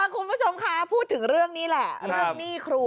คุณผู้ชมคะพูดถึงเรื่องนี้แหละเรื่องหนี้ครู